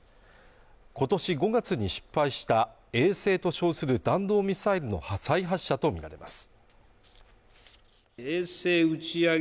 今年５月に失敗した衛星と称する弾道ミサイルの再発射と見られます